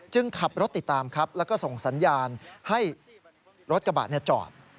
ขับรถติดตามครับแล้วก็ส่งสัญญาณให้รถกระบะจอด